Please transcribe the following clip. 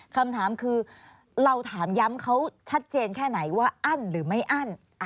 คำถามคือเราถามย้ำเขาชัดเจนแค่ไหนว่าอั้นหรือไม่อั้น